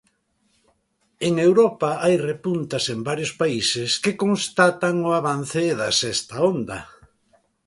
En Europa hai repuntas en varios países que constatan o avance da sexta onda.